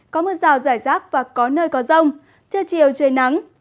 có mưa rào rải rác và có nơi có rông trưa chiều trời nắng